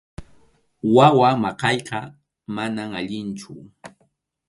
Wawa maqayqa manam allinchu.